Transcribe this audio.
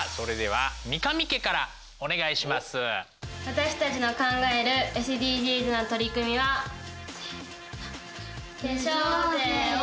私たちの考えるＳＤＧｓの取り組みはせの。